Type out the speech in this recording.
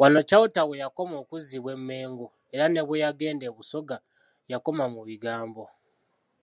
Wano Chalter weyakoma okkuzibwa e Mengo era ne bwe yagenda e Busoga yakoma mu bigambo.